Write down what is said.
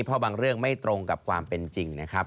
เพราะบางเรื่องไม่ตรงกับความเป็นจริงนะครับ